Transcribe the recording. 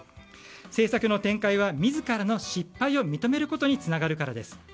政策の転換は自らの失敗を認めることになるからです。